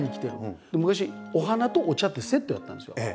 昔お花とお茶ってセットやったんですよ。